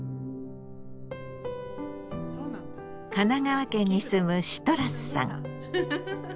神奈川県に住むシトラスさん。